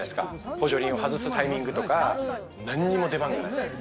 補助輪を外すタイミングとか、何も出番がない。